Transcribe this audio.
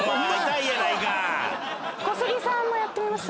小杉さんもやってみます？